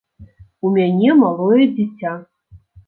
У мяне малое дзіця.